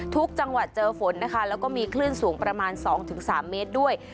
จังหวัดเจอฝนนะคะแล้วก็มีคลื่นสูงประมาณ๒๓เมตรด้วย